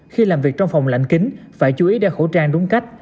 khi làm việc trong phòng lạnh kính phải chú ý đeo khẩu trang đúng cách